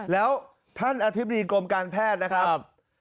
แล้วท่านอธิบดีกรมการแพทย์นะครับ